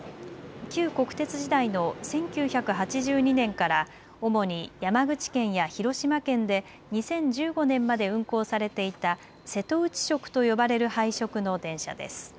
旧国鉄時代の１９８２年から主に山口県や広島県で２０１５年まで運行されていた瀬戸内色と呼ばれる配色の電車です。